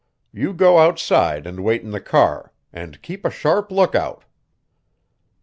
You go outside and wait in the car and keep a sharp lookout."